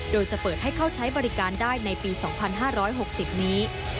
โดยจะเปิดให้เข้าใช้บริการได้ในปี๒๕๖๐นี้